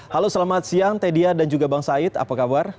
halo selamat siang teh dia dan juga bang said apa kabar